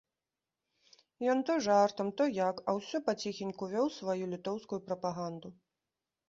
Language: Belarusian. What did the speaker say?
Ён то жартам, то як, а ўсё паціхеньку вёў сваю літоўскую прапаганду.